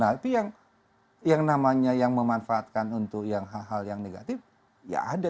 nah itu yang namanya yang memanfaatkan untuk hal hal yang negatif ya ada